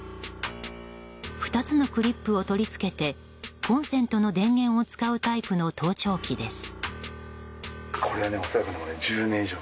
２つのクリップを取り付けてコンセントの電源を使うタイプの盗聴器です。